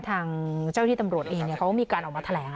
ทางเจ้าที่ตำรวจเองเขาก็มีการออกมาแถลง